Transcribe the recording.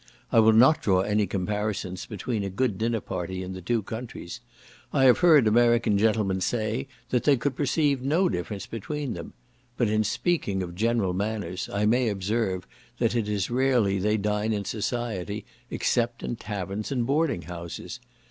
I will not draw any comparisons between a good dinner party in the two countries; I have heard American gentlemen say, that they could perceive no difference between them; but in speaking of general manners, I may observe, that it is rarely they dine in society, except in taverns and boarding houses.